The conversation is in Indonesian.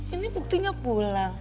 ini buktinya pulang